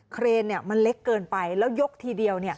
เครนมันเล็กเกินไปแล้วยกทีเดียว